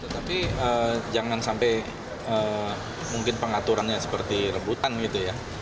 tapi jangan sampai mungkin pengaturannya seperti rebutan gitu ya